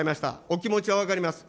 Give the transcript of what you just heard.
お気持ちは分かります。